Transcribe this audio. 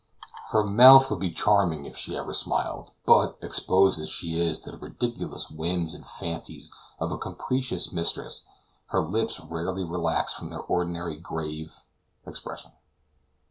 Her mouth would be charming if she ever smiled, but, exposed as she is to the ridiculous whims and fancies of a capricious mistress, her lips rarely relax from their ordinary grave expression.